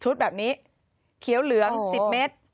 แบบนี้เขียวเหลือง๑๐เมตร